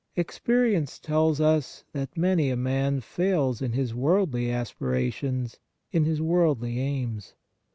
Experience tells us that many a man fails in his worldly aspirations, in his w 7 orldly aims.